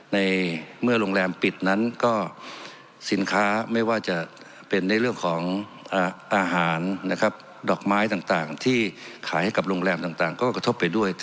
ในเมื่อโรงแรมปิดนั้นก็สินค้าไม่ว่าจะเป็นในเรื่องของอาหารนะครับดอกไม้ต่างที่ขายให้กับโรงแรมต่างก็กระทบไปด้วย